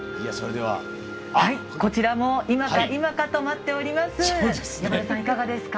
こちらも、今か今かと待っております。